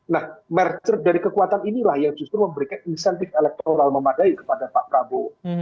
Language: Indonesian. nah merger dari kekuatan inilah yang justru memberikan insentif elektoral memadai kepada pak prabowo